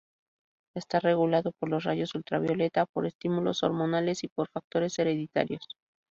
Está regulado por los rayos ultravioleta, por estímulos hormonales y por factores hereditarios.